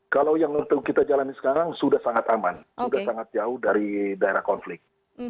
kalau yang kita jalani sekarang sudah sangat aman sudah sangat jauh dari daerah konflik